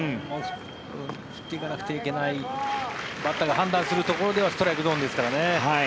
振っていかなきゃいけないバッターが判断するところではストライクゾーンですからね。